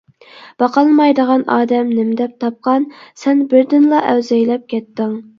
باقالمايدىغان ئادەم نېمىدەپ تاپقان؟ سەن بىردىنلا ئەزۋەيلەپ كەتتىڭ.